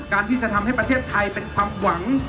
ที่จะทำให้ประเทศไทยเป็นความหวัง